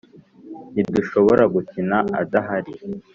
ntidushobora gukina adahari